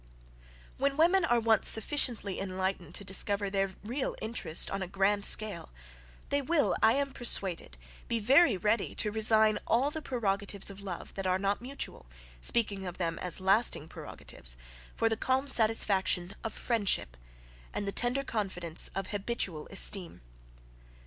When women are once sufficiently enlightened to discover their real interest, on a grand scale, they will, I am persuaded, be very ready to resign all the prerogatives of love, that are not mutual, (speaking of them as lasting prerogatives,) for the calm satisfaction of friendship, and the tender confidence of habitual esteem.